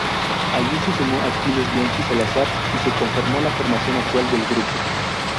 Allí se sumó Aquiles Bianchi Salazar y se conformó la formación actual del grupo.